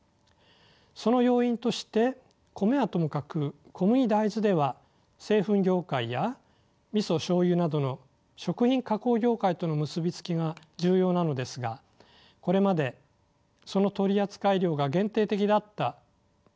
その要因として米はともかく小麦大豆では製粉業界や味噌しょうゆなどの食品加工業界との結び付きが重要なのですがこれまでその取扱量が限定的だったということがあります。